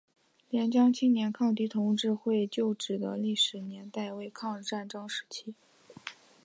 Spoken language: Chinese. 廉江青年抗敌同志会旧址的历史年代为抗日战争时期。